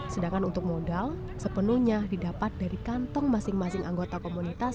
sedangkan untuk modal sepenuhnya didapat dari kantong masing masing anggota komunitas